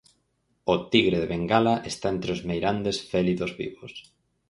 O tigre de Bengala está entre os meirandes félidos vivos.